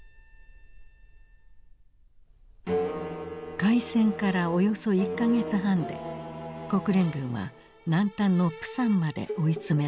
開戦からおよそ１か月半で国連軍は南端のプサンまで追い詰められた。